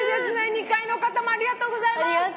２階の方もありがとうございます。